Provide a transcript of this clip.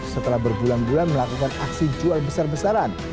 setelah berbulan bulan melakukan aksi jual besar besaran